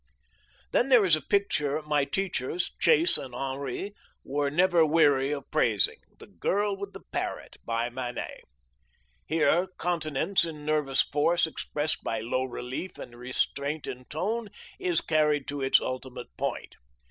Then there is a picture my teachers, Chase and Henri, were never weary of praising, the Girl with the Parrot, by Manet. Here continence in nervous force, expressed by low relief and restraint in tone, is carried to its ultimate point.